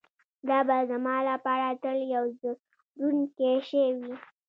دا به زما لپاره تل یو ځورونکی شی وي